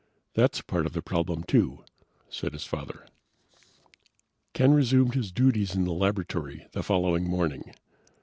"That's part of the problem, too," said his father. Ken resumed his duties in the laboratory the following morning.